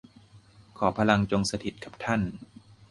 ขอพลังจงสถิตย์กับท่าน